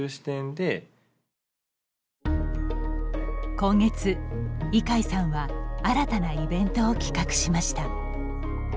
今月、井階さんは新たなイベントを企画しました。